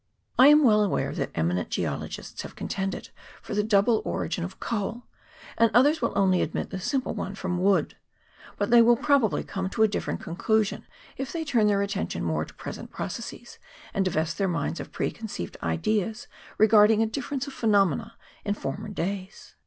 I am well aware that eminent geologists have contended for the double origin of coal, and others will only admit the simple one from wood; but they will, probably, come to a different conclusion if they turn their attention more to present processes, and divest their minds of preconceived ideas regarding a differ ence of phenomena in former days.